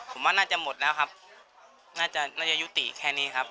ผมว่าน่าจะหมดแล้วครับน่าจะน่าจะยุติแค่นี้ครับ